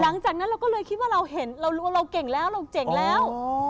หลังจากนั้นเราก็เลยคิดว่าเราเห็นเราเก่งแล้วเราเจ๋งแล้ว